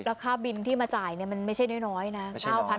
แล้วค่าบินที่มาจ่ายมันไม่ใช่น้อยนะ